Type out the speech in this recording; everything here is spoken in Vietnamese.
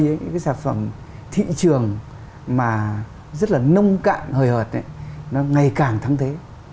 những cái sản phẩm thị trường mà rất là nông cạn hời hợt nó ngày càng thắng thế